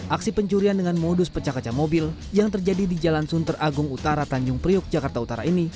aksi pencurian dengan modus pecah kaca mobil yang terjadi di jalan sunter agung utara tanjung priuk jakarta utara ini